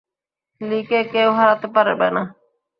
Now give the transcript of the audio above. লিকে কেউ হারাতে পারবে না!